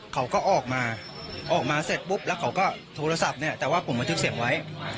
เขาก็ออกมาออกมาเสร็จปุ๊บแล้วเขาก็โทรศัพท์เนี่ยแต่ว่าผมบันทึกเสียงไว้